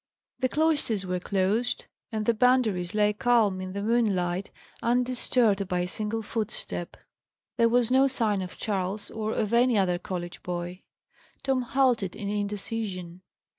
The cloisters were closed, and the Boundaries lay calm in the moonlight, undisturbed by a single footstep. There was no sign of Charles, or of any other college boy. Tom halted in indecision.